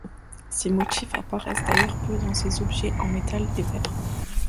Ces motifs apparaissent d'ailleurs peu dans ses objets en métal et verre.